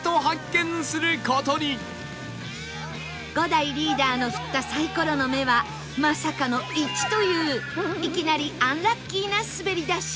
伍代リーダーの振ったサイコロの目はまさかの「１」といういきなりアンラッキーな滑り出し